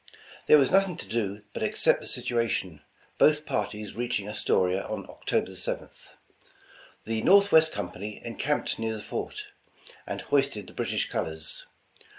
There was nothing to do but accept the situation, both parties reaching Astoria on October 7th. The Northwest Company encamped near the fort, and hoisted the British colors.